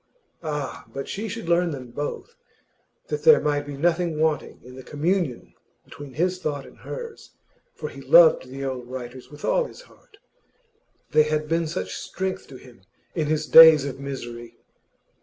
Ah! but she should learn them both, that there might be nothing wanting in the communion between his thought and hers. For he loved the old writers with all his heart; they had been such strength to him in his days of misery.